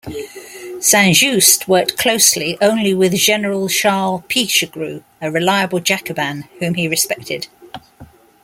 Saint-Just worked closely only with General Charles Pichegru, a reliable Jacobin whom he respected.